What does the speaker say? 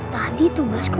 tadi tuh basku